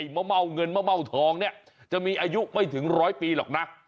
เม้าเงินเม้าเม่าทองนี่จะมีอายุไม่ถึง๑๐๐ปีหรอกนะ